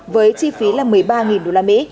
với chi phí là một mươi ba usd